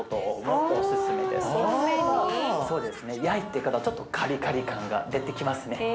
焼いてからちょっとカリカリ感が出てきますね。